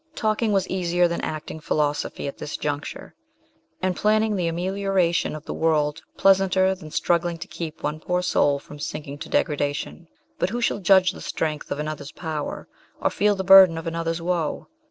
Talking was easier than acting philosophy at this juncture, and 58 MRS. SHELLEY. planning the amelioration of the world pleasanter than struggling to keep one poor soul from sinking to degradation ; but who shall judge the strength of another's power, or feel the burden of another's woe